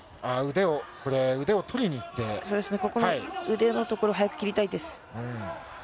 腕のところ早く切りたいです。